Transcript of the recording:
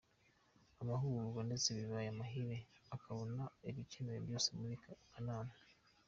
Amahugurwa ndetse bibaye amahire akabona ibikenewe Byose muri Kanama.